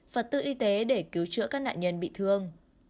vật tư y tế để cứu chữa các nạn nhân bị thương